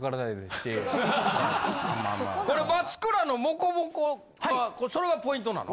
これ松倉のモコモコはそれがポイントなの？